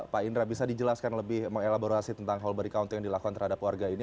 pak indra bisa dijelaskan lebih mengelaborasi tentang whole body counting yang dilakukan terhadap warga ini